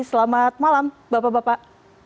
selamat malam bapak bapak